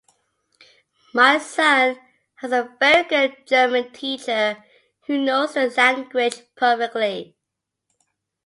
My son has a very good German teacher who knows the language perfectly.